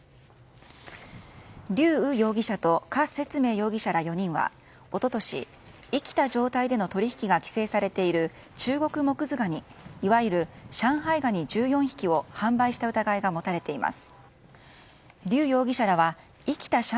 リュウ・ウ容疑者とカ・セツメイ容疑者ら４人は一昨年、生きた状態での取引が規制されているチュウゴクモクズガニいわゆる上海ガニ１４匹を販売した疑いが持たれています。